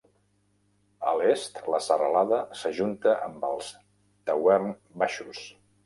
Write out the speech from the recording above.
A l'est, la serralada s'ajunta amb els Tauern baixos.